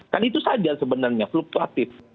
kan itu saja sebenarnya fluktuatif